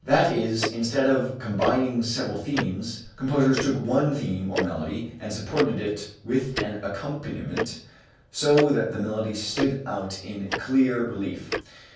That is, instead of combining several themes, composers took one theme or melody and supported it with an accompaniment so that the melody stood out in clear relief.